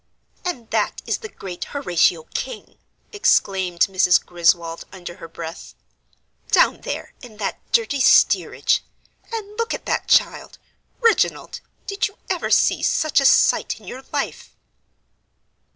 "And that is the great Horatio King!" exclaimed Mrs. Griswold under her breath; "down there in that dirty steerage and look at that child Reginald, did you ever see such a sight in your life?"